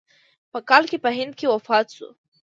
په کال کې په هند کې وفات شو.